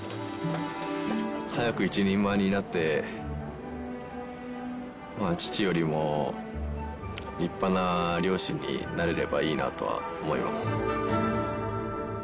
早く一人前になって父よりも立派な漁師になれればいいなとは思います。